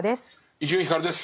伊集院光です。